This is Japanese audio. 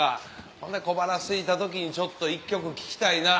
ほんで小腹すいた時に「ちょっと１曲聴きたいな」。